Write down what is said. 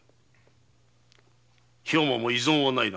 兵馬も異存はないな。